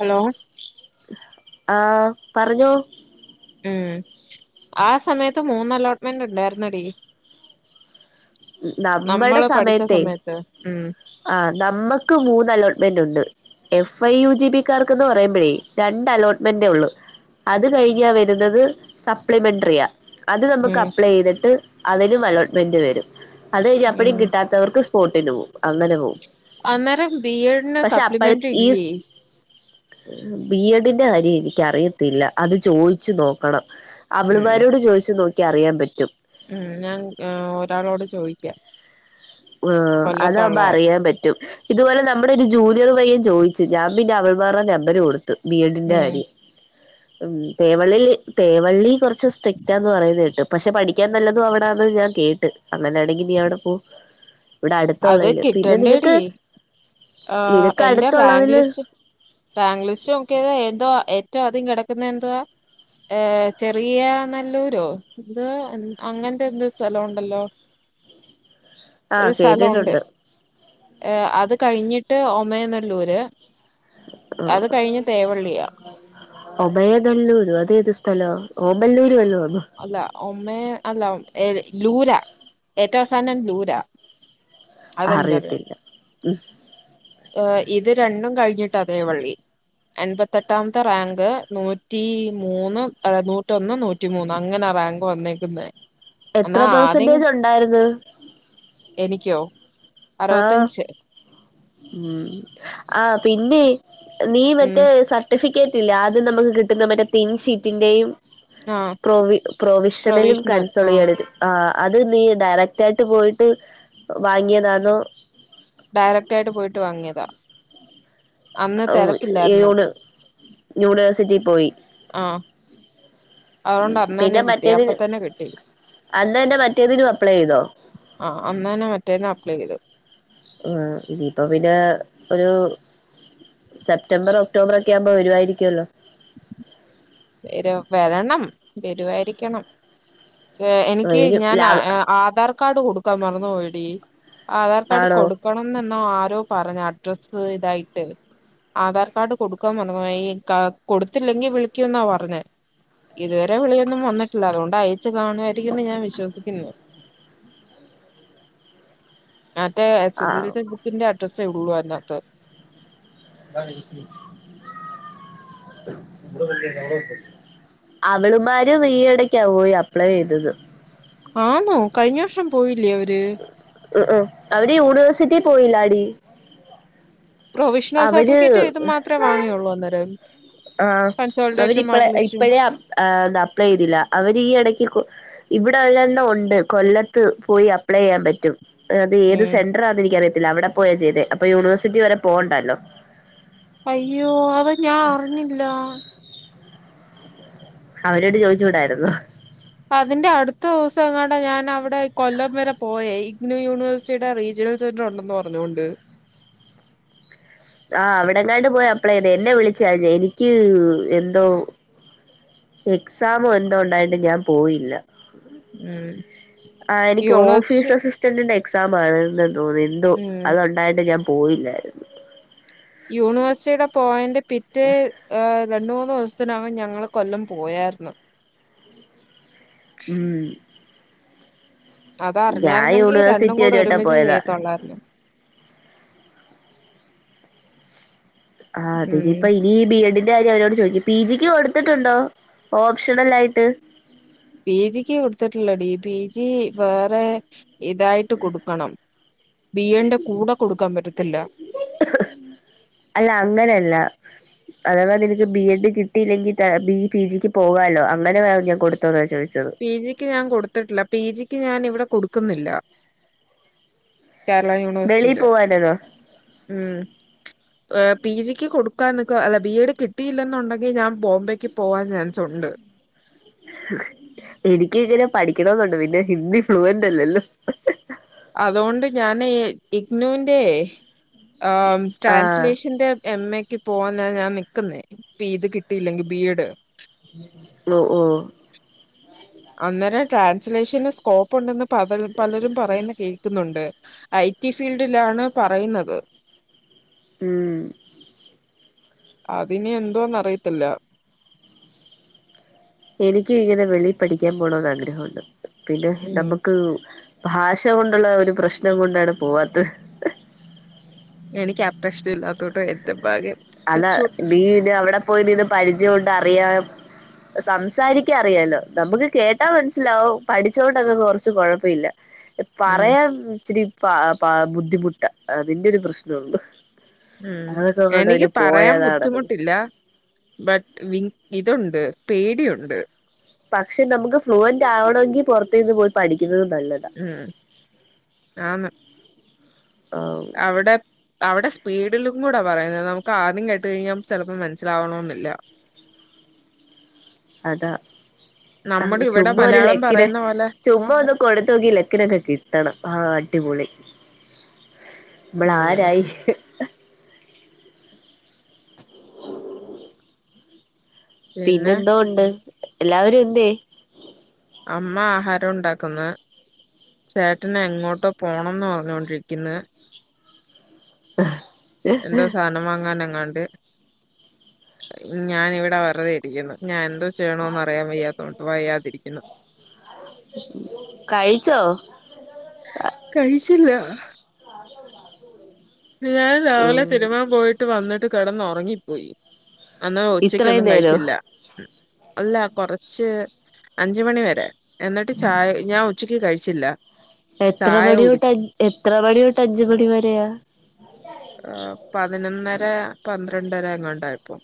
Hello ആഹ് പറഞ്ഞോ ഉം ആ സമയത്ത് മൂന്ന് അലോട്ട്മെന്റ് ഉണ്ടായിരുന്നടീ നമ്മടെ നമ്മള് പഠിച്ച സമയത്ത് ഉം ആ നമ്മക്ക് മൂന്ന് അലോട്ട്മെന്റ് ഉണ്ട് എഫ് ഐ യു ജിപിക്കാർക്ക് എന്ന് പറയുമ്പോഴേ രണ്ട് അലോട്ട്മെന്റ് ഉള്ളു അത് കഴിഞ്ഞാ വരുന്നത് സപ്ലിമെന്ററിയാ അത് നമുക്ക് ഉം അപ്ലൈ ചെയ്തിട്ട് അതിനും അലോട്ട്മെന്റ് വരും അത്ഞ്ഞി അപ്പഴും ഉം കിട്ടാത്തവർക്ക് സ്പോട്ടിന് പോവും അങ്ങനെ പോവും അന്നേരം ബി എ ഡി ന് പക്ഷെ അപ്പഴ സപ്ലിമെന്ററി ഈ ഇല്ലേ? ബി എ ഡിന്റെ കാര്യം എനിക്ക അറിയത്തില്ല അത് ചോയിച്ചു നോക്കണം ഉം അവളമാരോട് ചോദിച്ച് നോക്കി അറിയാൻ പറ്റും ഉം ഞാൻ ഒരാളോട് ചോയിക്ക്യം ആ അതാവ്പ അറിയാൻ പറ്റും ഇതുപോലെ നമ്മുടെ ഒരു ജൂനിയർ പയ്യൻ ചോദിച്ചു ഞാൻ പിന്നെ അവൾമാരുടെ നമ്പര് കൊടു ബി എ ഡിന്റെ ഉം കാര്യം [inaudible] ഉം തേവള്ളിൽ തേവള്ളി കുറച്ച് സ്ട്രിക്റ്റാന്ന് പറയുന്നത് കേട്ട് പക്ഷെ പഠിക്കാൻ നല്ലതും അവിടെന്ന് ഞാൻ കേട്ട് അങ്ങനെയാണെങ്കിൽ നീ അവിടെ പോ ഇവിടെ അത് അടുത്തുള്ളതില് പിന്നെ കിട്ടണ്ട ടി നിനക്ക് ആ നിനക്ക് എന്റെ റാങ്ക് അടുത്തുള്ളതില് ലിസ്റ്റ് റാങ്ക് ലിസ്റ്റ് നോക്കിയത എന്തോ ഏറ്റവും ആധികം കിടക്കുന്ന എന്തുവ ഏഹ ചെറിയ നല്ലൂരോ എന്തുവാ അങ്ങനത്തെ എന്തോ സ്ഥലം ഉണ്ടല്ലോ ആഹ് ഒരു സ്ഥലം വുണ്ട് കേട്ടിട്ടുണ്ട് ഏ അത് കഴിഞ്ഞിട്ട് ഒമയനല്ലൂര് അത് കഴിഞ്ഞ തേവള്ളിയാ [unintelligible] ഒമയനല്ലൂരു അതേഏത് സ്ഥലോ ഓമല്ലൂരു വല്ലോ ആന്നോ അല്ല ഒമ്മ അല്ല ഏ ലൂരാ ഏറ്റവും അവസാനം ലൂരാ അതെനിക്കറിയാം അറിയത്തില്ല ഉം ഏ ഇത് രണ്ടും കഴിഞ്ഞിട്ടാ തേവള്ളി എൺപത്തെട്ടാമത്തെ റാങ്ക് നൂറ്റി മൂന്ന് നൂറ്റൊന്ന് നൂറ്റി മൂന്ന് അങ്ങനെ റാങ്ക് വന്നേക്കുന്നേ എത്ര എന്നാ ആദ്യം പെർസെന്റേജ് ഉണ്ടായിരുന്നു എനിക്കോ ആ അറുപത്തഞ്ച് ഉം ആ പിന്നെ നീ ഉം മറ്റേ സർട്ടിഫിക്കറ്റ്ല്ല ആദ്യം നമുക്ക് കിട്ടുന്ന മറ്റേ തിൻഷീറ്റിന്റെയും ആ പ്രൊവി പ്രൊവിഷനിലും പ്രൊവിഷണൽ ആ കൺസൊളിയണത് ആ അത് നീ ഡയറക്റ്റ് ആയിട്ട് പോയിട്ട് വാങ്ങിയതാന്നോ ഡയറക്റ്റ് ആയിട്ട് പോയിട്ട് വങ്ങിയതാ ഉം യൂണ് യൂണിവേഴ്സിറ്റി പോയി ആഹ്‌ പിന്നെ കിട്ടി മറ്റേത് അപ്പൊ തന്നെ കിട്ടി അന്ന് തന്നെ മറ്റേതിനും അപ്ലൈ ചെയ്തോ ആ അന്ന് തന്നെ മറ്റേതിന്ന് അപ്ലൈ ചെയത് ഉം ഇതിപ്പോ പിന്നെ ഒരു സെപ്റ്റംർ ഒക്ടോബറ ഒക്ക ആകുമ്പോ വരുമായിരിക്കുമല്ലോ വെരു വരണം വരുവായിരിക്കണം ഏ എനിക്ക് വരും ഞാൻ ലാ ആധാർ കാർഡ് കൊടുക്കാൻ മറന്നു പോയടി ആധാർ കാഡ് ആണോ കൊടുക്കണം എന്ന് ആരോ പറഞ്ഞു അഡ്രസ്സ് ഇതായിട്ട് ആധാർ കാർഡ് കൊടുക്കാൻ പറഞ്ഞു ഈ കൊടുത്തില്ലെങ്കി വിളിക്കൂന്നാ പറഞ്ഞത് ഇതുവരെ വിളിയൊന്നും വന്നിട്ടില്ല അതുകൊണ്ട് അയച്ചു കാണുമായിരിക്കും എന്ന് ഞാൻ വിശ്വസിക്കുന്നു മറ്റേ എസ് എസ് ൽ ആഹ് സി ബുക്കിന്റെ അഡ്രസ്സേ ഉള്ളൂ അതിനകത്ത് [unintelligible] അവളമാരും ഈയിടക്കാ പോയി അപ്ലൈ ചെയ്തത് ആന്നോ കഴിഞ്ഞ വർഷം പോയില്ലേ അവര് [unintelligible] അവര് യൂണിവേഴ്സിറ്റി പോയില്ല ടി പ്രൊവിഷ്ണൽ അവര് സർട്ടിഫിക്കറ്റ് ഇത് മാത്രയ് വാങ്ങിയുള്ളൂ അന്നേരം ആഹ് ഗൗരി കൺസോൾഡേറ്റും ഇപ്പളേ മാർക്ക് ലിസ്റ്റും ഇപ്പഴേ അപ് ആഹ് എന്താ അപ്ലൈയ്തില്ല. അവര് ഈ എടക്ക് കു ഇവിടെ ഒരണ്ണം ഉണ്ട് കൊല്ലത്ത് പോയി അപ്ലൈ ചെയ്യാൻ പറ്റും. അത് ഏത് ഉം സെൻട്രാന്ന് എനിക്കറിയത്തില്ല അവിടെ പോയ ചെയ്തെ. അപ്പൊ യൂണിവേഴ്സിറ്റി വരെ പോവണ്ടല്ലോ. അയ്യോ അത് ഞാൻ അറിഞ്ഞില്ല. അവരോട് ചോയിചൂടായിരുന്നോ. അതിന്റെ അടുത്തൂസങ്ങാണ്ടേ ഞാൻ അവിടെ കൊല്ലം വരെ പോയേയ് ഇന്ന് യൂണിവേഴ്സിടെ റീജിണൽ സീഡ്രോ ഉണ്ടെന്ന് പറഞ്ഞുകൊണ്ട് ആഹ് അവിടെങ്ങാണ്ട് പോയ അപ്ലയ്തെ എന്നെ വിളിചാഞ് എനിക്ക് എന്തോ എക്സാമ് എന്തോ ഉണ്ടായണ്ട് ഞാൻ പോയില്ല. ഉം. ആഹ് എനിക്ക് യൂണിവേഴ്സിറ്റി ഓഫീസസ് [unintelligible] എക്സാം ആണെന്ന് തോന്നിയെന്തോ ഉം. അത് ഉണ്ടായിട്ട് ഞാൻ പോയില്ലായിര് യൂണിവേഴ്സിറ്റിയുടെ പോയന്റ് പിറ്റെയ് ഏഹ് രണ്ട് മൂന്ന് ദിവസ് ത്തിനകം ഞങ്ങൾ കൊല്ലം പോയാര്ന്നു. ഉം അത് ഞാൻ അറിഞ്ഞായിരുന്നങ്കിൽ രണ്ടും യൂണിവേഴ്സിറ്റി കൂട ഒരു വട്ടം ഒരുമിച്ച് പോയതാ ചെയ്യതൊള്ളായിരുന്നു. ആഹ് ഉം. അതിനിപ്പ ഇ ഈ ബി എഡിന്റെ കാര്യം അവരോട് ചോദയിക്ക്. പി ജി ക്ക് കൊടുത്തിട്ടുണ്ടോ? ഓപ്ഷണൽ ആയിട്ട് പി ജിക്ക് കൊട്ത്തിട്ട്ള്ളടീ പി ജി വേറെ ഇതായിട് ട്ട് കൊടുക്കണം ബീ എന്റെ കൂടെ കൊടുക്കാൻ പറ്റത്തില്ല. അല്ല അങ്ങനെയല്ല അതവാ നിനക്ക് ബി എഡ് കിട്ടിയില്ലെങ്കിൽ താ ബി പി ജിക്ക് പോകാലോ. അങ്ങനെ വേ ഞാൻ കൊടുത്തോന്നാ ചോദിച്ചത്. പി ജിക്ക് ഞാൻ കൊടുത്തിട്ടില്ല. പി ജിക്ക് ഞാൻ ഇവിടെ കൊടുക്കുന്നില്ല. കേരള വെളി യൂണിവേഴ്സിറ്റിയില്. പോവാനെന്നോ ഉം ഏഹ് പി ജിക്ക് കൊടുക്കാൻ നിക്കോ അല്ല ബി എഡ് കിട്ടയില്ലെന്നുണ്ടെങ്കിൽ ഞാൻ ബോംബെക്ക് പോവാൻ ചാൻസ് ഉണ്ട്. എനിക്ക് ഇങ്ങനെ പഠിക്കണെന്നുണ്ട് പിന്നെ ഹിന്ദി ഫ്ലുവന്റ് അല്ലല്ലോ. അതോണ്ട് ഞാന് ഇഗ്നുന്റെയ് ആം ആഹ് ട്രാൻസ്ലേഷന്റെ എം എക്ക് പോവാന ഞാൻ നിക്കുന്നേ ഇപ്പ ഇത് കിട്ടിയില്ലെങ്കിൽ ബി എഡ്. ഒ ഓഹ് അന്നേരം ട്രാൻസ്ലേഷന് സ്കോപ്പ് ഉണ്ടെന്ന് പതൽ പലരും പറയുന്ന കേ ക്കുന്നുണ്ട്. ഐ ടി ഫീൽഡിലാണ് പറയുന്നത്. ഉം അതിനി എന്തോന്ന് അറിയത്തില്ല. എനിക്കും ഇങ്ങനെ വെളിയി പഠിക്കാൻ പോണോന്ന് ആഗ്രഹുണ്ട്. പിന്നെ ഉം. നമുക്ക് ഭാഷ കൊണ്ടുള്ള ഒരു പ്രശ്നം കൊണ്ടാണ് പോവാത്തെ. എനിക്ക് ആ പ്രശ്നം ഇല്ലാത്തോട്ട് എന്റെ ഭാഗ്യം. അതാ ടച്ച് നീ ഇനി അവിടെ പോയി നിന്ന് പരിചയുണ്ട് അറിയാ സംസാരിക്കാൻ അറിയാലോ. നമുക്ക് കേട്ടാ മൻസ്സിലാവും പഠിച്ചോണ്ടൊന്നും കൊറച്ച് കൊഴപ്പ ഇല്ല. [inaudible] പറയാൻ ഇച്ചിരി പ പ ബുദ്ധിമുട്ടാ അതിന്റെ ഒരു പ്രശ്നൊള്ളു ഉം എനിക്ക് പറയാൻ നടക്കുന്നത് ബുദ്ധിമുട്ടിൽ ല്ല. ബട്ട് വിങ് ഇതുണ്ട് പേടിയുണ്ട്. പക്ഷെ നമുക്ക് ഫ്ലുവന്റ് ആവണങ്കിൽ പുറത്തേന്ന് പോയി പഠിക്കുന്നത് നല്ലത്. ഉം ആന്ന്. ആഹ് അവിടെ അവിടെ സ്പീഡിലും കൂടെ പറയുന്നത് നമുക്ക് ആദ്യം കേട്ട് കഴിഞ്ഞാ ചെലപ്പം മനസ്സിലാവണോന്നില്ല. അതാ. നമ്മുടെ അഹ് ഇവിടെ ചുമ്മാ ഒരു മലയാളം ലെക്കിന് പറയുന്ന പോലെ ചുമ്മാ ഒന്ന് കൊടുത്തോക്കി ലക്കിനൊക്കെ കിട്ടണം. ആഹ് അടിപൊളി നമ്മള് ഉം ആരായി പിന്നെ പിന്നെന്തോൊണ്ട് എല്ലാവരും എന്തേ അമ്മ ആഹാരൊണ്ടാക്ക്ന്ന് ചേട്ടനെങ്ങോട്ടോ പോണംന്ന് പറഞ്ഞൊണ്ടിരിക്ക്ന്ന് അ എന്തോ സാധനം വാങ്ങാൻ എങ്ങാണ്ട് ഞാാനിവിടെ വെറുതെ ഇരിക്കുന്നു ഞാൻ എന്തോ ചെയ്യണോന്ന് അറിയാൻ വയ്യാത്തോ വയ്യാതിരിക്കുന്നു കഴിച്ചോ കഴിച്ചില്ല ആ ഞാൻ രാവിലെ തിരുമാൻ പോയിട്ട് വന്നിട്ട് കെടന്ന് ഒറങ്ങിപ്പോയി അന്ന ഉച്ചക്ക് ഇത്രയും ഒന്നും നേരോ കയിച്ചില്ല അല്ല കൊറച്ച് അഞ്ചുമണി വരെ എന്നിട്ട് ചായ ഞാൻ ഉച്ചക്ക് കഴിച്ചില്ല എത്ര ചായ മണിയൊട്ട്അ കുടിച്ചു. എത്ര മണി തൊട്ട് അഞ്ച് മണി വരെയ പതിനൊന്നര പന്ത്രണ്ടര അങ്ങണ്ടായപ്പൊ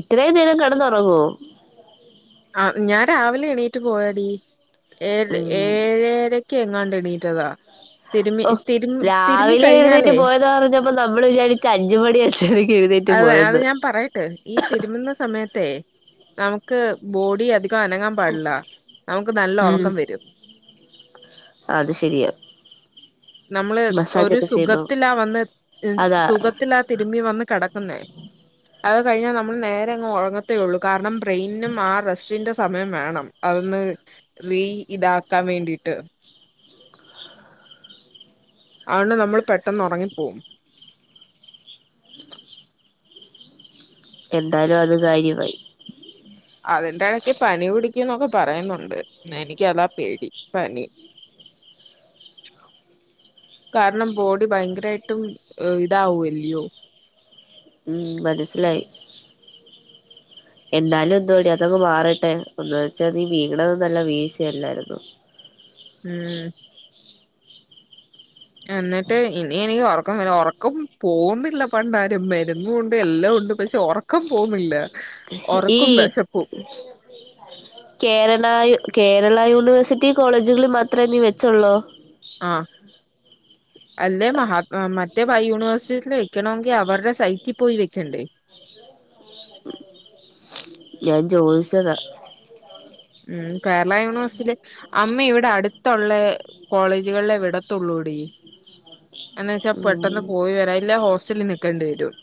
ഇത്രേം നേരം കിടന്നുറങ്ങോ ആഹ് ഞാൻ രാവിലെ എണീറ്റ് പോയാടി ഏര് ഉം ഏഴെര ക്കെങ്ങാണ്ട് എണീറ്റതാ തിരുമ്മി ഓഹ് തിരു തിരുമ്മി രാവിലെ എഴുന്നേറ്റ് കഴിഞ്ഞാലേ പോയെന്ന് പറഞ്ഞപ്പോ നമ്മൾ വിചാരിച്ച അഞ്ച്മണി [unintelligible] ക്ക് എഴുനെറ്റ് പോയന്ന് ട്ട് ഈ തിരുമുന്ന സമയത്തെ നമുക്ക് ബോഡി അധി ക്ക അനങ്ങാൻ പാടില്ല നമുക്ക് നല്ല ഉം ഒറക്കം വരും അത് ശരിയ നമ്മള് ഒരു ചെയ്യുമ്പോ സുഖത്തിലാ വന്ന് അതാ സുഖത്തിലാ തിരുമ്പി വന്ന് കട ക്കന്നെ അത് കഴിഞ്ഞ നമ്മൾ നേരെങ് ഒറങ്ങത്തേള്ളൂ കാർണം ബ്രെയിനും ആ റസ് ന്റ സമയം വേണം അതൊന്ന് റീ ഇതാക്കാൻ വേണ്ടിട്ട് ആണ്ട് നമ്മൾ പെട്ടെന്നൊറങ്ങിപ്പോം എന്തായാലും അത് കാര്യവായി അതിന്റെടക്ക് പനി കുടിക്കുന്നൊക്കെ പറയ്ന്നൊണ്ട് എനിക്ക് അതാ പേടി പനി [inaudible] കാർണം ബോഡി ഭയങ്കരാട്ടും ഇതാവുല്യോ ഉം മനസ്സിലായി എന്നാലും എന്തുവാടി അതങ് മാറട്ടെ ഒന്ന് വെച്ചാ നി വീണത് നല്ല വീഴ്ചയല്ലാരുന്നൊ ഉം എന്നിട്ട് ഇനി എനിക്ക് ഒറക്കം വ ഒറക്കം പോന്നില്ല പണ്ടാരം മരുന്നുണ്ട് എല്ലാം ഉണ്ട് പക്ഷെ ഒറ ക്കം പോന്നില്ല ഈ കേരള കേരള യൂണിവേഴ്സിറ്റി കോളേജുകളി മാത്രമേ നീ വെച്ചോള്ളോ ആഹ് അല്ലെ മഹാ മറ്റേ ബൈ യൂണിവേഴ്സിൽ വെക്കണോങ്കി അവറെ സൈറ്റി പോയി വെക്കണ്ടേ ഞാൻ ചോദിച്ചതാ ഉം കേരള യൂണിവേഴ്സിറ്റി അമ്മ ഇവിടെ അടു ത്തൊള്ള കോളേജുകളിലെ വിടത്തുള്ളൂ ടീ എന്നു വെച്ചാ ഉം പെട്ടെന്ന് പോയി വരാം ഇല്ല ഹോസ്റ്റലിൽ നിൽക്കേണ്ടി വരും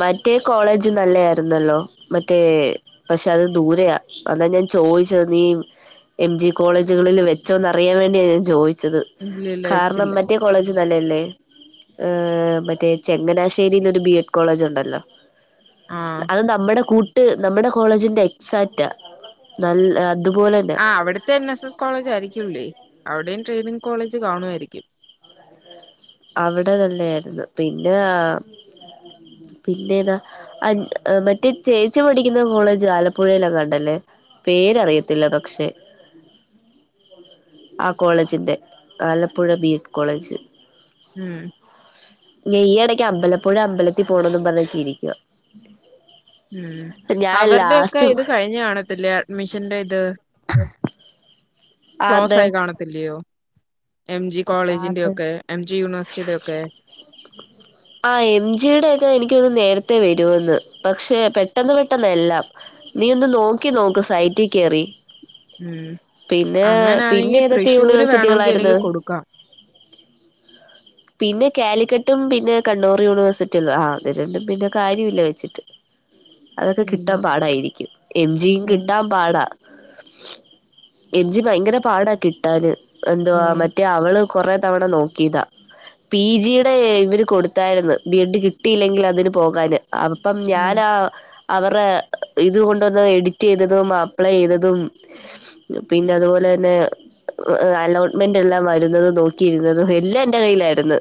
മറ്റേ കോളേജ് നല്ല ആരുന്നല്ലോ മറ്റേ പക്ഷെ അത് ദൂരയാ അതാ ഞാൻ ചോയിച്ചത് നീ എം ജി കോളേജുകളിൽ വെച്ചോന്ന് അറിയാവേണ്ടിയാ ഞാൻ ചോദിച്ചത് ഇല്ല ഇല്ല കാർണം വെച്ചില്ല മറ്റേ കോളേജ് നല്ലല്ലേ ഏഹ് മറ്റേ ചെങ്ങനാശ്ശേരിലോ ഒരു ബിയെറ്റ് കോളജ് ഒണ്ടല്ലോ ആ അത് നമ്മടെ കൂ ട്ട് നമ്മുടെ കോളേജിന്റെ എക്സാറ്റാ നൽ അതുപോലെ അവിട്ത്തെ എൻ എസ് എസ് കോളേജായിരിക്കുല്ലേ അവിടെയും ട്രെയിനിങ് കോളേജ് കാണുയിരിക്കും അവിടെ തല്ലായിരുന്നു പിന്നെ പിന്നെതാ മറ്റേ ചേച്ചി പഠിക്കുന്ന കോളേജ് ആലപ്പുഴയിലെങ്ങാണ്ടല്ലേ പേരറിയത്തില്ല പക്ഷെ ആഹ് കോളേജിൻ്റെ ആലപ്പുഴ ബി കോളേജ് ഉം ഈ ഇടക്ക് അമ്പലപ്പുഴ അമ്പലത്തിൽ പോണെന്നും പറഞ്ഞെച്ച് ഇരിക്കുവാ ഉം അവരുടെക്കെ ലാസ്റ്റ് ഇത് കഴിഞ്ഞ് കാണത്തില്ലേ അഡ്മിഷന്റെ ഇത് ആ [unintelligible] ക്ലോസായി കാണത്തില്ലയോ എം ജി കോളേജിന്റെ ആരുടെ ഒക്കെ എം ജി യൂണിവേഴ്സിറ്റിയുടെ ഒക്കെ ആഹ് എം ജിയുടെയൊക്കെ എനിക്ക് തോന്നുന്ന് നേരത്തെ വരോന്ന് പക്ഷെ പെട്ടെന്ന് പെട്ടെന്നെല്ലാം നീ ഒന്ന് നോക്കി നോക്ക് സൈറ്റ് കേറി ഉം പിന്നെ അങ്ങനാണെങ്കി പിന്നെ ഏതൊക്കെ തൃശ്ശൂര് വേണോങ്കി എനിക്ക് യൂണിവേഴ്സിറ്റികളായിര്ന്ന് കൊടുക്കാം. പിന്നെ കാലിക്കെട്ടും പിന്നെ കണ്ണൂറ് യൂണിവേഴ്സിറ്റി ആഹ് രണ്ടും പിന്നെ കാര്യം ഇല്ല വെച്ചിട്ട് അതൊക്കെ കിട്ടാൻ ഉം പാടായിരിക്കും എം ജിയും ഉം കിട്ടാം പാടാ എം ജി ഭയങ്കര പാടാ കിട്ടാന് എന്തുവാ മ ഉം അവള് കൊറെ തവണ നോക്കിതാ പി ജിയ്ടെ ഇവര് കൊടുത്തായിരുന്നു ബി എഡ് കിട്ടിയില്ലെങ്കി അതിന് പോകാന് അപ്പം ഉം ഞാനാ അവറെ ഇത് കൊണ്ട് വന്ന് എഡിറ്റ് ചെയ്തതും അപ്ലൈയ്തതും പിന്നെ അതുപോലെന്നെ അലോട്ട്മെന്റ് എല്ലാം വരുന്ന നോക്കിയിരുന്നതും എല്ലാം എന്റെ കയ്യിലായിര്ന്ന്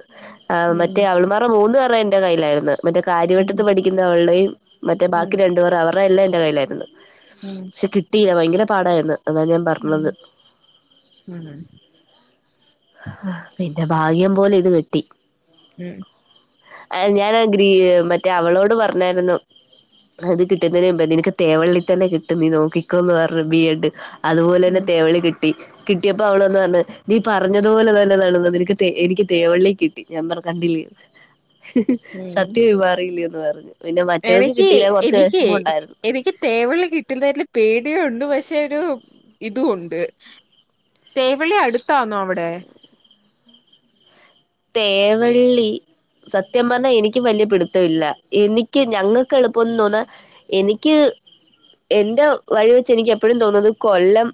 ആഹ് മറ്റേ ഉം അവൾമാരുടെ മൂന്ന് പേരുടെയും എന്റെ കയ്യിലായിരുന്നു മറ്റേ ഉം കാര്യവട്ടത്ത് പഠിക്ക്ന്ന അവൾടെയും മറ്റേ ഉം ബാക്കി ഉം രണ്ടുപേർ അവർടെ എല്ലാം എന്റെ കയ്യിലായിരുന്നു ഉം പക്ഷെ കിട്ടില്ല ഭയങ്കര പാടായിരുന്നു അതാ ഞാം പറഞ്ഞത് ഉം ഉം പിന്നെ ഭാഗ്യം പോലെ ഇത് കിട്ടി ഉം ആഹ് ഞാനാ ഗ്രീ മറ്റേ അവളോട് പറഞ്ഞായിരുന്നു അത് കിട്ടുന്നതിനു മുമ്പ് നിനക്ക് തേവള്ളിത്തന്നെ കിട്ടും നീ നോക്കിക്കോന്ന് പർഞ്ഞ് ബി യെ ഡ് അതുപോലെ തന്നെ തേവളളി കിട്ടി കിട്ടിയപ്പോ അവള് വന്ന് പറഞ്ഞ് ടീ പറ പറഞ്ഞതു പോലെ തന്നെ നടന്നത് നിന എനിക്ക് തേവള്ളി കിട്ടി ഞാൻ പറഞ് കണ്ടില്ലേ ഉം സത്യമറിയില്ലെന്ന് പറഞ്ഞു പിന്നെ മറ്റവക്ക് എനിക്ക് കിട്ടിയില്ല കോർച്ച് എനിക്ക് വെഷമോണ്ടായിരുന്നു എനിക്ക് തേവള്ളി കിട്ടുന്നതിൽ പേടിയുണ്ട് പക്ഷെ ഒരു ഇതു ഉണ്ട്. തേവള്ളി അടുത്താന്നോ അവിടെ? തേവള്ളി സത്യം പറഞ്ഞാ എനിക്കും വല്യ പിടുത്തം ഇല്ല എനിക്ക് ഞങ്ങക്ക് എളുപ്പൊന്ന് തോന്നാ എനിക്ക് എന്റെ വഴി വെച്ച് എനിക്ക് എപ്പഴും തോന്നുന്നത് കൊല്ലം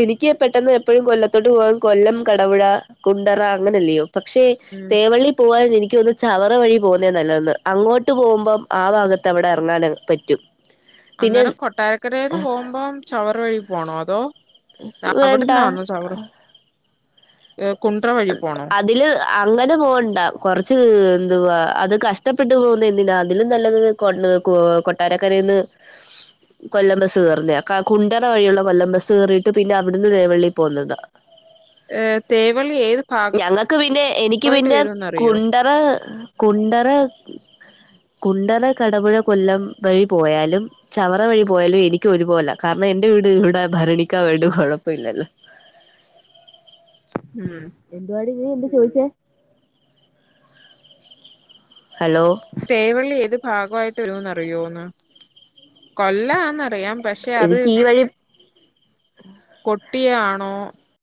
എനിക്ക് പെട്ടെന്ന് എപ്പഴും കൊല്ലത്തോട്ട് പോവാൻ കൊല്ലം ക തവഴ, കുണ്ടറ അങ്ങനെല്ലയോ പക്ഷേ ഉം തേവള്ളി പോകാൻ എനിക്ക് തോന്നുന്നു ചവറ വഴി പോകുന്നേ നല്ലതന്ന് അങ്ങോട്ട് പോകുമ്പം ആഹ് ഭാഗത്ത് അവിടെ എറങ്ങാന് പറ്റും. പിന്നെ അന്നേരം കൊട്ടാരക്കരെന്ന് പോകുമ്പം ചവറ വഴി പോണോ അതോ വേണ്ട അവിടന്നാണോ ചവറ് ഏഹ് കുൺറ വഴി പോണോ? അതില് അങ്ങനെ പോണ്ട കോർച്ച് എന്തുവാ അത് കഷ്ടപ്പെട്ട് പോകുന്നെ എന്തിനാ അതിലും നല്ലത് കൊട്ന്ന് കൊ കൊട്ടാരക്കരെന്ന് ഉ കൊല്ലം ബസ് കയറുന്നയാ ക കുണ്ടറ വഴിയുള്ള കൊല്ലം ബസ് കയറിയിട്ട് പിന്നെ അവിടുന്ന് തേവള്ളിൽ പോകുന്നതാ. ഏഹ് തേവള്ളി ഏത് ഞങ്ങൾക്ക് പിന്നെ എനിക്ക് ഭാഗമായിട്ട് പിന്നെ വരുംന്നറിയോ കുണ്ടറ കുണ്ടറ കുണ്ടറ കടപുഴ കൊല്ലം വഴി പോയാലും ചവറ വഴി പോയാലും എനിക്ക് ഒരുപോലാ കാരണം എന്റെ വീട് ഇവിടെ ഭരണിക്കാവോണ്ട് കുഴപ്പല്ലല്ലോ ഉം എന്തുവാടീ നീ എന്ത ചോദിച്ചത് ഹലോ തേവള്ളി ഏത് ഭാഗായിട്ട് വരോന്ന് അറിയോന്ന് കൊല്ലാന്നറിയാം പക്ഷെ അത് എനിക്ക് ഈ വഴി കൊട്ടിയാണോ